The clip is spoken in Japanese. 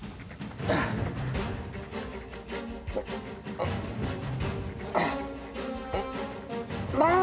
ああ！？